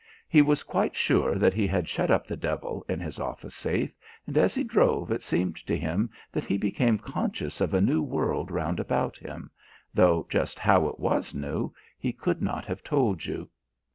He was quite sure that he had shut up the devil in his office safe, and as he drove it seemed to him that he became conscious of a new world round about him, though just how it was new he could not have told you.